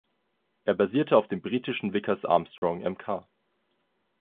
Er basierte auf dem britischen Vickers-Armstrong Mk.